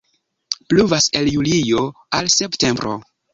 Pluvas el julio al septembro.